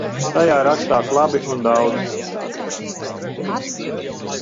Tajā rakstās labi un daudz.